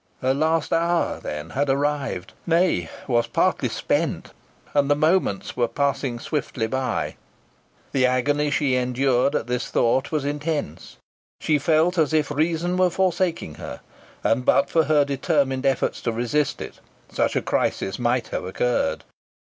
Her last hour then had arrived nay, was partly spent, and the moments were passing swiftly by. The agony she endured at this thought was intense. She felt as if reason were forsaking her, and, but for her determined efforts to resist it, such a crisis might have occurred.